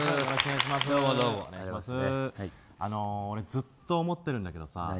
俺、ずっと思ってるんだけどさ。